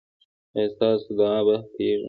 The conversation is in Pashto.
ایا ستاسو دعا به کیږي؟